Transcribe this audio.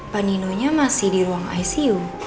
pak nino nya masih di ruang icu